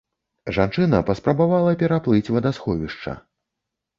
Жанчына паспрабавала пераплыць вадасховішча.